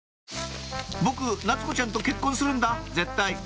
「僕夏子ちゃんと結婚するんだ絶対」